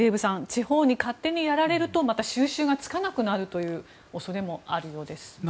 地方に勝手にやられると収拾がつかなくなるという恐れもあるようです。